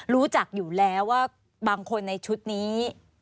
รู้จักอยู่แล้วว่าบางคนในชุดนี้